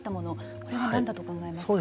これは何だと考えますか。